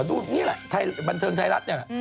ดูนี่แหละบันเทิงไทยรัฐนี่แหละ